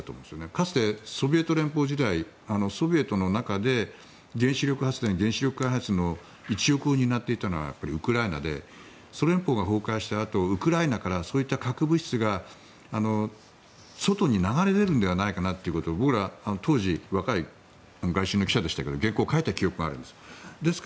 かつて、ソビエト連邦時代ソビエトの中で原子力発電、原子力開発の一翼を担っていたのはウクライナでソ連邦が崩壊したあとウクライナからそういった核物質が外に流れ出るのではないかということを僕ら、当時若い記者でしたけど原稿を書いた記憶があるんです。